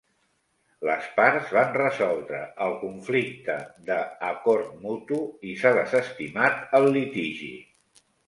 Les parts van resoldre el conflicte de acord mutu i s'ha desestimat el litigi.